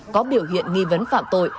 có biểu hiện nghi vấn phạm tội